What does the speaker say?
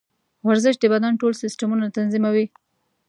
ورزش د بدن ټول سیسټمونه تنظیموي.